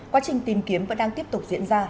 quá trình tìm kiếm vẫn đang tiếp tục diễn ra